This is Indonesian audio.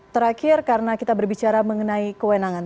terakhir karena kita berbicara mengenai kewenangan